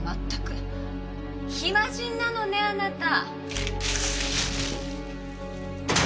暇人なのねあなた。